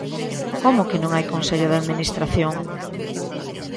¿Como que non hai Consello de Administración?